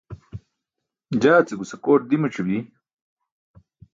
jaa ce guse kooṭ dimac̣i bi